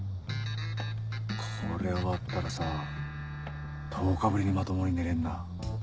これ終わったらさ１０日ぶりにまともに寝れんな。